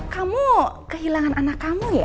kamu kehilangan anak kamu ya